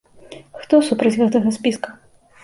Хто супроць гэтага спіска?